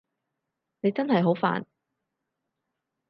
你真係好煩